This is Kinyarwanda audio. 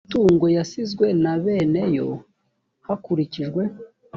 imitungo yasizwe na bene yo hakurikijwe